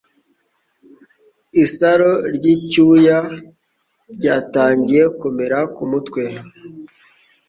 Isaro ry icyuya ryatangiye kumera kumutwe.